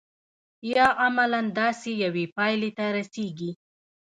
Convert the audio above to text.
یا عملاً داسې یوې پایلې ته رسیږي.